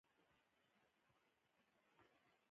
نه پوهېدم چې څه مې په انتظار کې دي